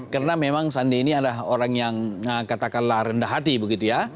karena memang sandiaga ini adalah orang yang katakanlah rendah hati begitu ya